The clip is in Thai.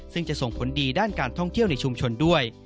ซึ่งจะส่งผลดีด้านการท่องเที่ยวในชุมชนด้วย